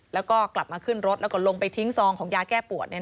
แล้วก็กลับมาขึ้นรถแล้วก็ลงไปทิ้งซองของยาแก้ปวด